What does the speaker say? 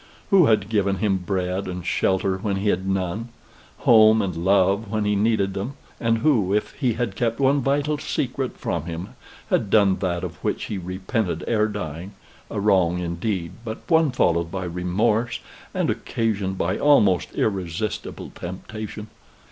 who had given him bread and shelter when he had none; home and love when he needed them; and who, if he had kept one vital secret from him, had done that of which he repented ere dying a wrong indeed, but one followed by remorse, and occasioned by almost irresistible temptation.